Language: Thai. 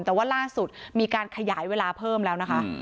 แต่ว่าล่าสุดมีการขยายเวลาเพิ่มแล้วนะคะ